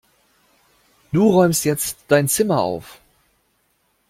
Du räumst jetzt dein Zimmer auf!